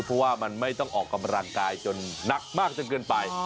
เพราะว่ามันไม่ต้องออกกำลังกายจนหนักมากจนเกินไป